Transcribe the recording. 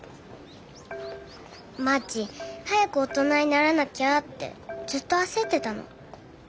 まち早く大人にならなきゃってずっと焦ってたの。